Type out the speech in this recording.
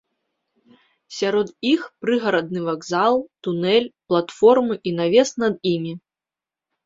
Сярод іх прыгарадны вакзал, тунэль, платформы і навес над імі.